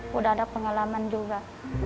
sudah ada pengalaman juga